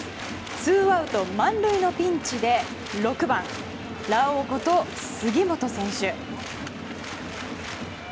ツーアウト満塁のピンチで６番、ラオウこと杉本選手。